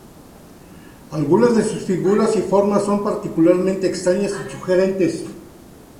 Algunas de sus figuras y formas son particularmente extrañas y sugerentes.